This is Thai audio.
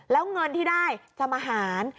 แล้วเงินที่ได้จะมาหาร